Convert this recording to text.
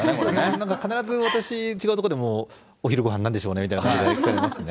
なんか必ず私、違うところでも、お昼ごはんなんでしょうねみたいな感じで聞かれますね。